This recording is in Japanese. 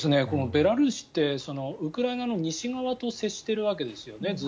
このベラルーシってウクライナの西側と接しているわけですよね。